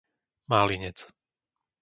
Málinec